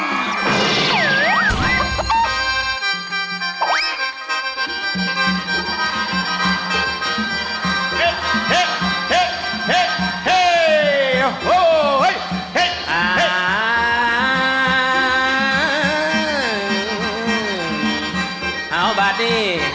เกดเวริ่ม